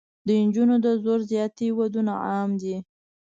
د نجونو د زور زیاتي ودونه عام دي.